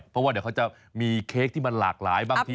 เพราะว่าเดี๋ยวเขาจะมีเค้กที่มันหลากหลายบางที